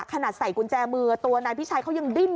ใส่กุญแจมือตัวนายพิชัยเขายังดิ้น